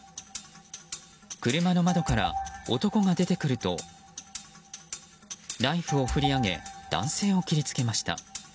車の窓から男が出てくるとナイフを振り上げ男性を切りつけました。